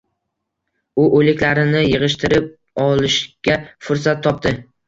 U o’liklarini yig’ishtirib olishga fursat topdi.